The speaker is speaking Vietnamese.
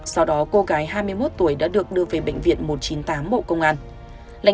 sau đó cô gái hai mươi một tuổi đã được đưa về bệnh viện một trăm chín mươi tám bộ công an